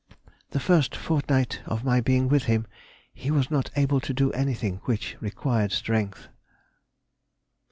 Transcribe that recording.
The first fortnight of my being with him he was not able to do anything which required strength.